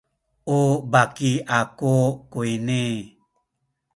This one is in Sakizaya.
u baki aku kuyni.